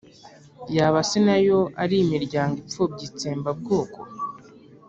yaba se na yo ari imiryango ipfobya itsembabwoko?